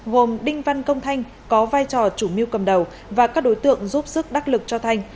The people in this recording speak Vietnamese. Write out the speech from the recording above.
gồm đinh văn công thanh có vai trò chủ mưu cầm đầu và các đối tượng giúp sức đắc lực cho thanh